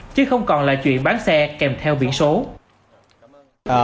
chứ không còn là chuyện bán xe kèm theo biển số